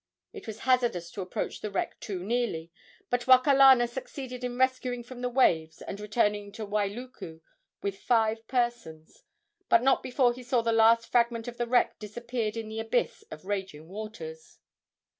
It was hazardous to approach the wreck too nearly, but Wakalana succeeded in rescuing from the waves and returning to Wailuku with five persons, but not before he saw the last fragment of the wreck disappear in the abyss of raging waters.